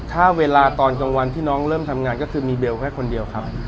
ถ้าเวลาตอนกลางวันที่น้องเริ่มทำงานก็คือมีเบลแค่คนเดียวครับ